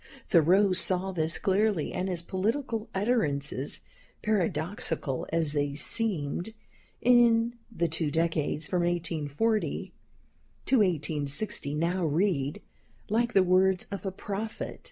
Thoreau saw this clearly, and his political utterances, paradoxical as they seemed in the two decades from 1840 to 1860, now read like the words of a prophet.